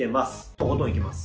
とことんいきます。